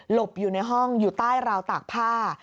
อยู่ในห้องอยู่ใต้ราวตากผ้า